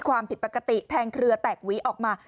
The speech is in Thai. ความผิดปกติแทงเครือแตกหวีออกมา